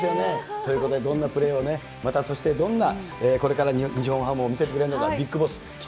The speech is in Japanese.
ということで、どんなプレーをね、またそしてどんなこれから日本ハムを見せてくれるのか。